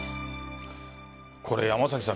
これ山崎さん